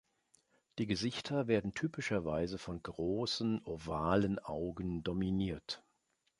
Die Gesichter werden typischerweise von großen ovalen Augen dominiert.